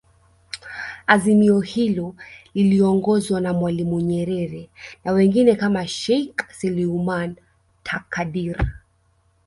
Azimio hilo liliongozwa na Mwalimu Nyerere na wengine kama Sheikh Suleiman Takadir